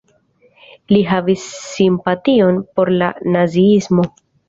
Li havis simpation por la naziismo.